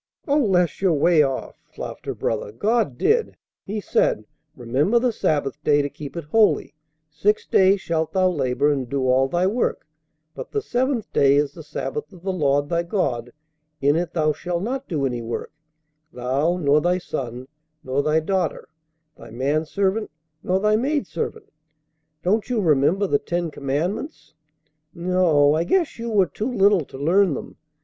"O Les! You're way off," laughed her brother. "God did. He said, 'Remember the sabbath day to keep it holy. Six days shalt thou labor, and do all thy work, but the seventh day is the sabbath of the Lord thy God; in it thou shalt not do any work, thou, nor thy son, nor thy daughter, thy man servant nor thy maid servant ' Don't you remember the Ten Commandments? No, I guess you were too little to learn them.